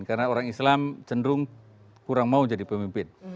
karena orang islam cenderung kurang mau jadi pemimpin